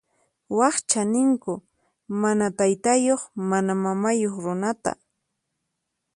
Wakcha ninku mana taytayuq mana mamayuq runata.